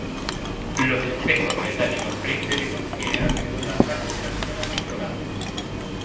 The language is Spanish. Los espejos metálicos prehistóricos tienen a menudo la parte trasera decorada.